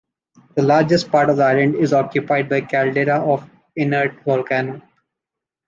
The largest part of the Island is occupied by the caldera of an inert volcano.